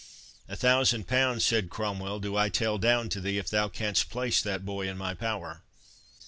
"A thousand pounds," said Cromwell, "do I tell down to thee, if thou canst place that boy in my power."